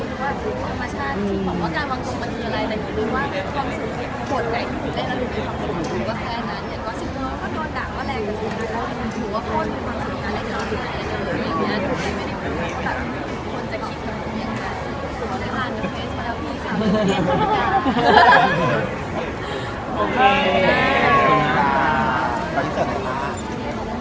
มีความสุขกับการทำงานมีความสุขกับการทำงานมีความสุขกับการทำงานมีความสุขกับการทำงานมีความสุขกับการทำงานมีความสุขกับการทำงานมีความสุขกับการทำงานมีความสุขกับการทำงานมีความสุขกับการทำงานมีความสุขกับการทำงานมีความสุขกับการทำงานมีความสุขกับการทำงานมีความสุขกับการทำงาน